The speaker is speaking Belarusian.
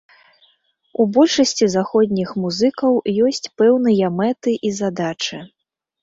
У большасці заходніх музыкаў ёсць пэўныя мэты і задачы.